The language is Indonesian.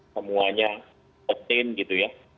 semuanya protein gitu ya